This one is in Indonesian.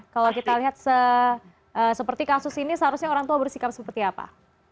kalau kita lihat seperti kasus ini seharusnya orang tua bersikap seperti apa